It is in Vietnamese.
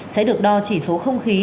sẽ được đo chỉ số không khí